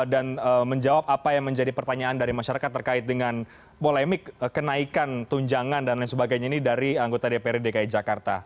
dan menjawab apa yang menjadi pertanyaan dari masyarakat terkait dengan polemik kenaikan tunjangan dan lain sebagainya ini dari anggota dprd dki jakarta